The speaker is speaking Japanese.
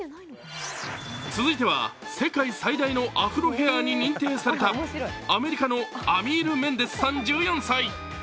続いては、世界最大のアフロヘアーに認定されたアメリカのアミール・メンデスさん、１４歳。